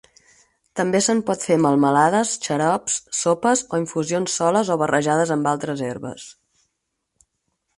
També se'n pot fer melmelades, xarops, sopes o infusions soles o barrejades amb altres herbes.